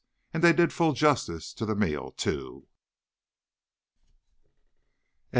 And they did full justice to the meal, too.